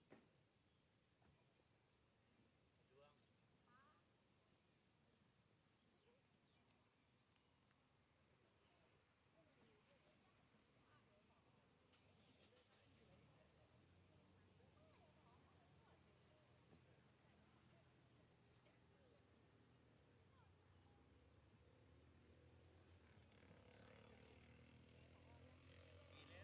โปรดติดตามตอนต่อไป